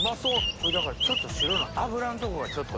これちょっと白の脂んとこがちょっと。